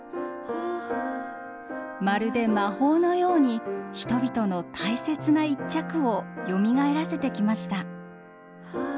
まるで魔法のように人々の大切な一着をよみがえらせてきました。